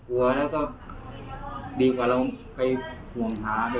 กลัวแล้วก็ดีกว่าเราไปห่วงหาด้วย